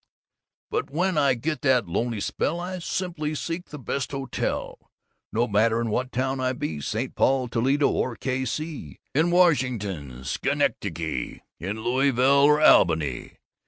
_ _But when I get that lonely spell, I simply seek the best hotel, no matter in what town I be St. Paul, Toledo, or K.C., in Washington, Schenectady, in Louisville or Albany.